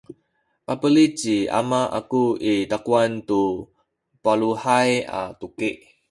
pabeli ci ama aku i takuwan tu baluhay a tuki